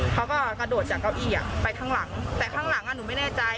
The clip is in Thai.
เขาก็กระโดดจากเก้าอี้ไปข้างหลังแต่ข้างหลังหนูไม่แน่ใจ